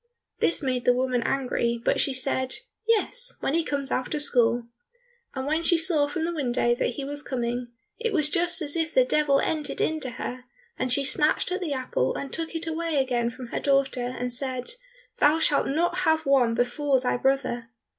This made the woman angry, but she said, "Yes, when he comes out of school." And when she saw from the window that he was coming, it was just as if the Devil entered into her, and she snatched at the apple and took it away again from her daughter, and said, "Thou shalt not have one before thy brother."